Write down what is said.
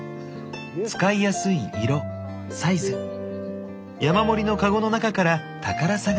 使いやすい色サイズ山盛りのカゴの中から宝探し。